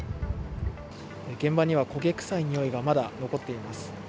現場には焦げ臭いにおいがまだ残っています。